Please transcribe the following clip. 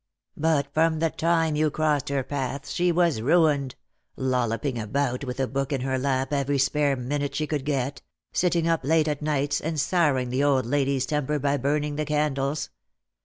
But from the time you crossed her path she was ruined — lolloping about with a book in her lap every spare minute she could get — sitting up late at nights, and souring the old lady's temper by burning the candles.